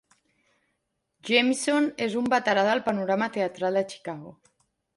Jemison és un veterà del panorama teatral de Chicago.